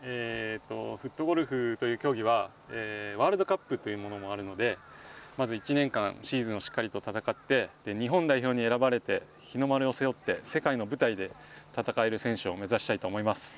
フットゴルフという競技はワールドカップというのがあるのでまず１年間シーズンをしっかりと戦って日本代表に選ばれて日の丸を背負って世界の舞台で戦える選手を目指したいと思います。